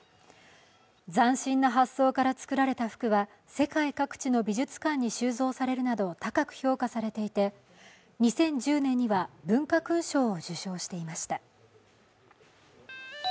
斬新な発想から作られた服は世界各地の美術館に収蔵されるなど高く評価されていて２０１０年には文化勲章を受賞していました。